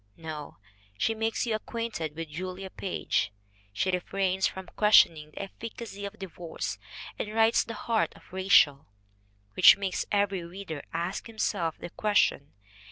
No! She makes you acquainted with Julia Page. She refrains from questioning the efficacy of divorce and writes The Heart of Rachael, which makes every reader ask himself the question.